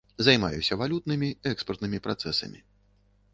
Займаюся валютнымі, экспартнымі працэсамі.